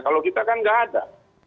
kalau kita kan nggak ada